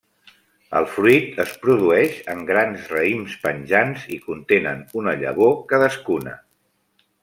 El fruit es produeix en grans raïms penjants i contenen una llavor cadascuna.